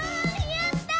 やったー！